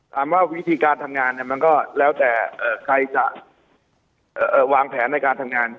ถามว่าวิธีการทำงานมันก็แล้วแต่ใครจะวางแผนในการทำงาน